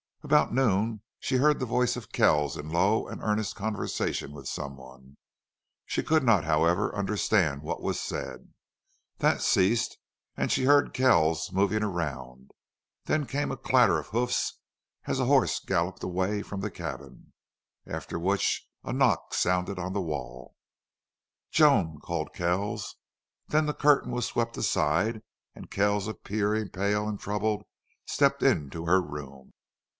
About noon she heard the voice of Kells in low and earnest conversation with someone; she could not, however, understand what was said. That ceased, and then she heard Kells moving around. There came a clatter of hoofs as a horse galloped away from the cabin, after which a knock sounded on the wall. "Joan," called Kells. Then the curtain was swept aside and Kells, appearing pale and troubled, stepped into her room.